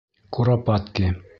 Куропатки!